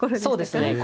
そうですね。